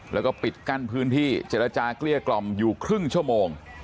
แล้วก็ปิดกั้นพื้นที่เจรจาเกลี้ยกล่อมอยู่ครึ่งชั่วโมง